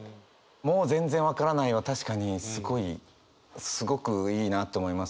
「もう全然わからない」は確かにすごくいいなと思いますね。